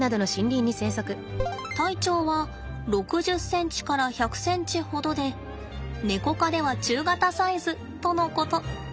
体長は６０ｃｍから１００ｃｍほどでネコ科では中型サイズとのこと。